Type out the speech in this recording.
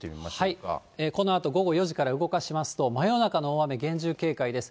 このあと午後４時から動かしますと、真夜中の大雨、厳重警戒です。